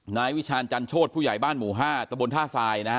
นายวิชาณจันโชธผู้ใหญ่บ้านหมู่๕ตะบนท่าทรายนะฮะ